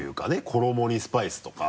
衣にスパイスとか。